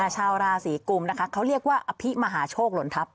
ชาวราศีกุมนะคะเขาเรียกว่าอภิมหาโชคหล่นทัพ